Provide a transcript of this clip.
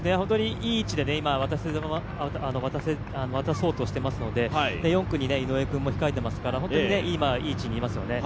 いい位置で渡そうとしていますので４区に井上君も控えていますから、今いい位置にいますよね。